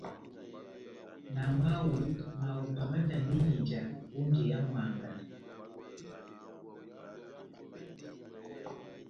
Na mwáho, mahupa majandini ija ó njeya mwángá.